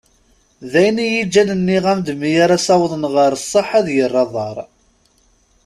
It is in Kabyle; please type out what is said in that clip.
D ayen iyi-ǧǧan nniɣ-am-d mi ara ad as-awḍen ɣer sseḥ ad yerr aḍar.